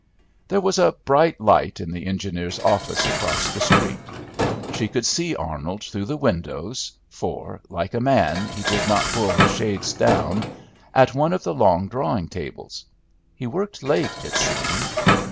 There was a bright light in the engineer's office across the street. She could see Arnold through the windows (for, like a man, he did not pull his shades down) at one of the long drawing tables. He worked late, it seemed.